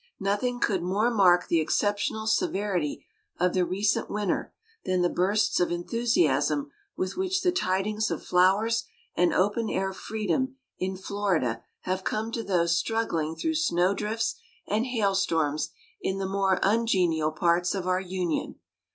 Nothing could more mark the exceptional severity of the recent winter than the bursts of enthusiasm with which the tidings of flowers and open air freedom in Florida have come to those struggling through snow drifts and hail storms in the more ungenial parts of our Union.